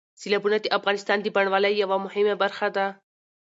سیلابونه د افغانستان د بڼوالۍ یوه مهمه برخه ده.